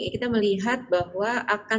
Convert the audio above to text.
kita melihat bahwa akan